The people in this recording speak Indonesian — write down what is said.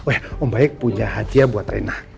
oh ya mbaik punya hadiah buat rena